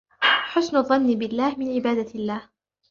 حُسْنُ الظَّنِّ بِاَللَّهِ مِنْ عِبَادَةِ اللَّهِ